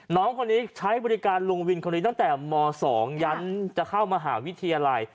น้องคนนี้ใช้บริการลุงวินคนนี้ตั้งแต่ม๒ยั้นจะเข้ามหาวิทยาลัย